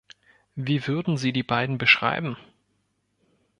Wie würden Sie die beiden beschreiben?